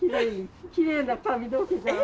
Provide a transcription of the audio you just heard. きれいな髪の毛じゃん。